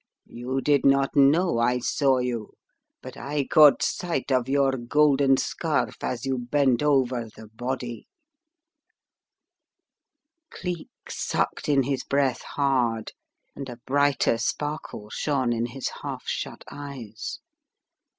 You did not know I saw you but I caught sight of your golden scarf as you bent over the body " Cleek sucked in his breath hard and a brighter sparkle shone in his half shut eyes.